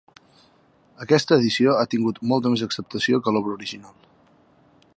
Aquesta edició ha tingut molta més acceptació que l'obra original.